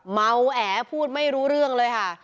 เมาแอพูดไม่รู้เรื่องเลยค่ะ